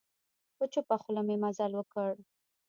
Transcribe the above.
په چوپه خوله مي مزل وکړ .